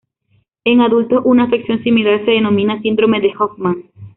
En adultos una afección similar se denomina síndrome de Hoffman.